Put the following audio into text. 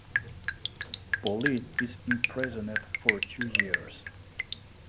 Pauline is imprisoned for two years.